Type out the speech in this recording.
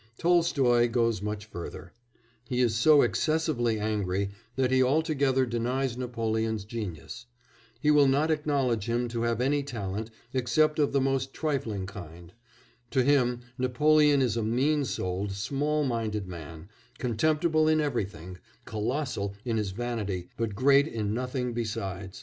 Tolstoy goes much further; he is so excessively angry that he altogether denies Napoleon's genius; he will not acknowledge him to have any talent except of the most trifling kind; to him Napoleon is a mean souled, small minded man, contemptible in everything, colossal in his vanity but great in nothing besides.